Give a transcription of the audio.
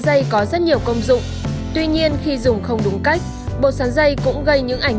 dây có rất nhiều công dụng tuy nhiên khi dùng không đúng cách bột sắn dây cũng gây những ảnh